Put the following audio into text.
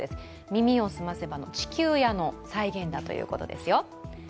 「耳をすませば」の地球屋の再現だということですよ。